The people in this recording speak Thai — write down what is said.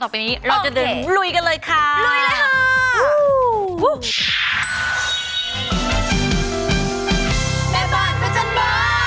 อีกแล้วต่อไปนี้รอจุดเด่นโอเคลุยกันเลยค่ะลุยเลยค่ะวู้ววว